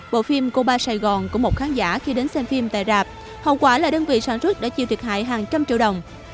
bộ phim cô ba sài gòn của một khán giả khi đến xem phim tại rạp hậu quả là đơn vị sản xuất đã chịu thiệt hại hàng trăm triệu đồng